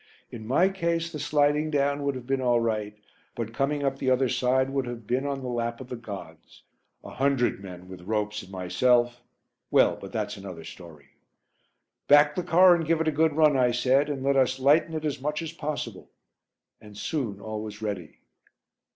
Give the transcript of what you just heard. In my case the sliding down would have been all right, but coming up the other side would have been on the lap of the gods. A hundred men with ropes and myself well, but that's another story. "Back the car to give it a good run," I said, "and let us lighten it as much as possible," and soon all was ready.